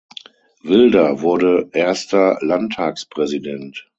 Wilda wurde erster Landtagspräsident.